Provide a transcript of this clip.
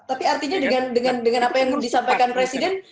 tapi artinya dengan apa yang disampaikan presiden